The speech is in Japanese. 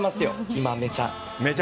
今、めちゃ。